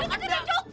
itu tidak cukup